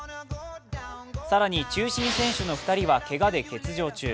更に中心選手の２人はけがで休場中。